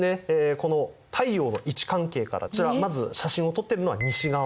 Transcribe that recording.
この太陽の位置関係からじゃあまず写真を撮ってるのは西側だと。